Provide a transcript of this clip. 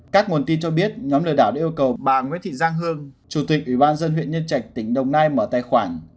các nguồn tin cho biết nhóm lừa đảo đã yêu cầu bà nguyễn thị giang hương chủ tịch ủy ban dân huyện nhân trạch tỉnh đồng nai mở tài khoản